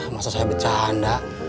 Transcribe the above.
masa saya bercanda